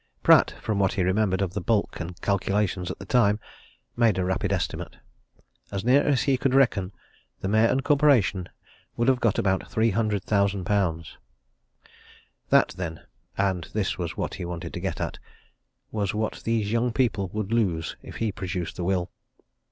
Pratt, from what he remembered of the bulk and calculations at the time, made a rapid estimate. As near as he could reckon, the Mayor and Corporation would have got about £300,000. That, then and this was what he wanted to get at was what these young people would lose if he produced the will.